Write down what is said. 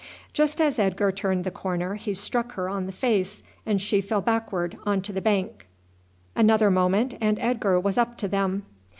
Just as Edgar turned the corner he struck her on the face, and she fell backward on to the bank. Another moment and Edgar was up to them.